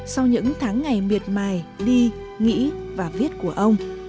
sau những tháng ngày miệt mài đi nghĩ và viết của ông